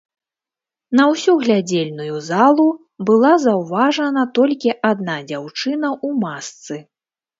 На ўсю глядзельную залу была заўважана толькі адна дзяўчына ў масцы.